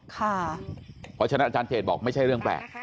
เพราะฉะนั้นอาจารย์เจตบอกไม่ใช่เรื่องแปลก